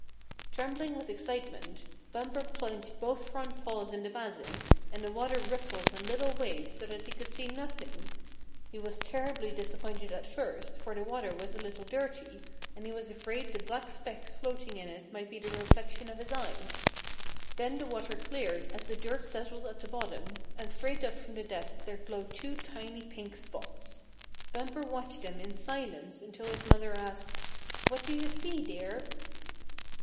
Trembling with excitement, Bumper plunged both front paws in the basin, and the water rippled in little waves so that he could see nothing. He was terribly disappointed at first, for the water was a little dirty, and he was afraid the black specks floating in it might be the reflection of his eyes. Then the water cleared as the dirt settled at the bottom, and straight up from the depths there glowed two tiny pink spots. Bumper watched them in silence until his mother asked: "What do you see, dear?"